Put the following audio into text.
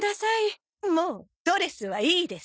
もうドレスはいいです！